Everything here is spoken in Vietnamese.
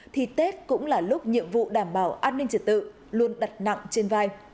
thì tết cũng là lúc nhiệm vụ đảm bảo an ninh trật tự luôn đặt nặng trên vai